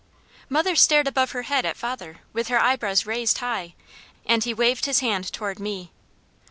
Mother stared above her head at father, with her eyebrows raised high, and he waved his hand toward me.